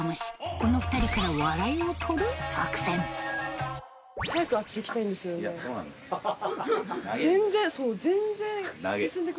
この２人から笑いをとる作戦ハハハ！